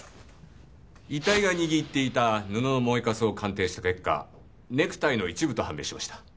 遺体が握っていた布の燃えカスを鑑定した結果ネクタイの一部と判明しました。